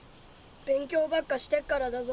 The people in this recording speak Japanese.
勉強ばっかしてっからだぞ。